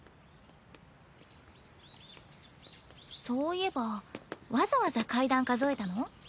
そういえばわざわざ階段数えたの？